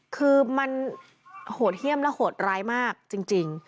คือมันโหดเยี่ยมและโหดร้ายมากจริง